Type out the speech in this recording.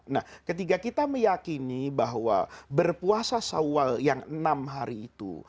nah ketika kita meyakini bahwa berpuasa sawal yang enam hari itu